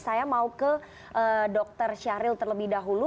saya mau ke dr syahril terlebih dahulu